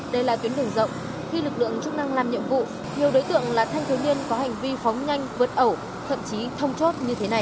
đây là tuyến đường rộng khi lực lượng chức năng làm nhiệm vụ nhiều đối tượng là thanh thiếu niên có hành vi phóng nhanh vượt ẩu thậm chí thông chốt như thế này